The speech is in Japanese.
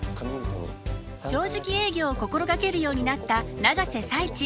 正直営業を心掛けるようになった永瀬財地。